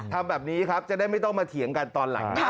ทำแบบนี้ครับจะได้ไม่ต้องมาเถียงกันตอนหลัง